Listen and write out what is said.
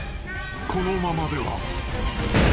［このままでは］